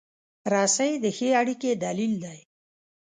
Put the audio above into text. رسۍ د ښې اړیکې دلیل دی.